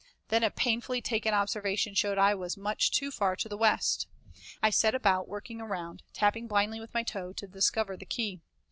Then a painfully taken observation showed I was much too far to the west. I set about working around, tapping blindly with my toe to discover the key.